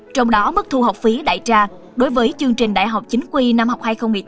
trong đó mức thu học phí đại tra đối với chương trình đại học chính quy năm học hai nghìn một mươi tám hai nghìn một mươi chín